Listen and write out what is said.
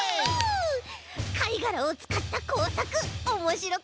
かいがらをつかったこうさくおもしろかったね！